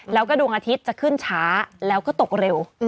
แล้วก็ดวงอาทิตย์จะขึ้นช้าแล้วก็ตกเร็ว